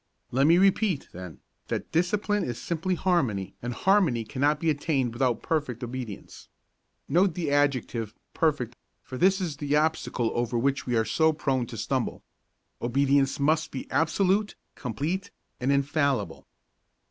Let me repeat, then, that discipline is simply harmony and harmony cannot be attained without perfect obedience. Note the adjective, perfect, for this is the obstacle over which we are so prone to stumble. Obedience must be absolute, complete and infallible.